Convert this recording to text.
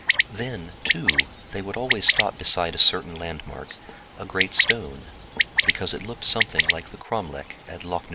Then, too, they would always stop beside a certain landmark, a great stone, because it looked something like the cromlech at Locneuven.